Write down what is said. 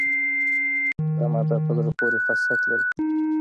دا ماده په زړه پورې خاصیت لري.